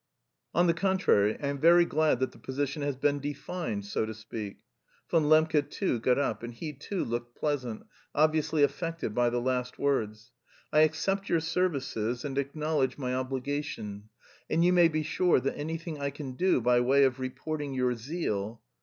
"On the contrary, I am very glad that the position has been defined, so to speak." Von Lembke too got up and he too looked pleasant, obviously affected by the last words. "I accept your services and acknowledge my obligation, and you may be sure that anything I can do by way of reporting your zeal..."